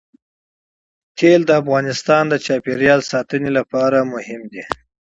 نفت د افغانستان د چاپیریال ساتنې لپاره مهم دي.